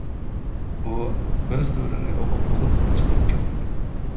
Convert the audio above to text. ئۇ بىر سۈرىنى ئوقۇپ بولۇپ چىقىپ كەتتى.